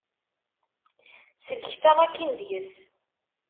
Sellket-aɣ akin deg-s.